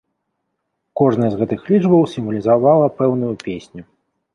Кожная з гэтых лічбаў сімвалізавала пэўную песню.